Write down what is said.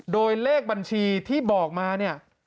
โดยเลขบัญชีที่บอกมาเนี่ย